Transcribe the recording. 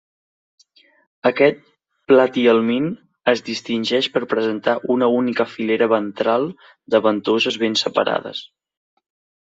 Aquest platihelmint es distingeix per presentar una única filera ventral de ventoses ben separades.